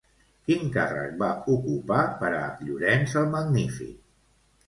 Quin càrrec va ocupar per a Llorenç el Magnífic?